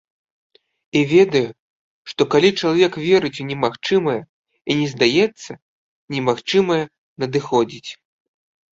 І ведаю, што калі чалавек верыць у немагчымае і не здаецца, немагчымае надыходзіць.